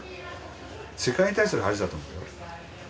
世界に対する恥だと思うよ。